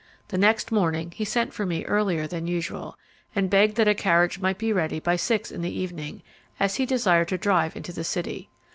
The next morning he sent for me earlier than usual, and begged that a carriage might be ready by six in the evening, as he desired to drive into the city.